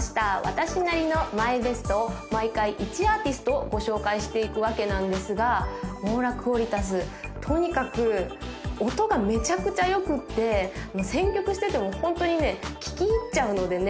私なりのＭＹＢＥＳＴを毎回１アーティストをご紹介していくわけなんですがｍｏｒａｑｕａｌｉｔａｓとにかく音がめちゃくちゃよくって選曲しててもホントにね聴き入っちゃうのでね